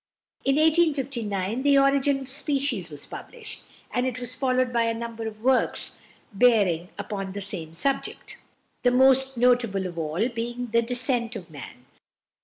In 1859 the "Origin of Species" was published, and it was followed by a number of works bearing upon the same subject, the most notable of all being the "Descent of Man."